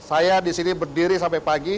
saya di sini berdiri sampai pagi